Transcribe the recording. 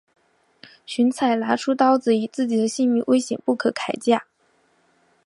荀采拿出刀子以自己的性命威胁不肯改嫁。